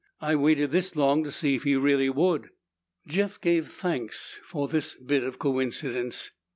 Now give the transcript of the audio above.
I waited this long to see if he really would." Jeff gave thanks for this bit of coincidence.